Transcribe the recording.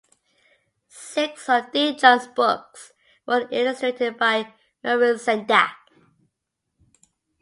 Six of De Jong's books were illustrated by Maurice Sendak.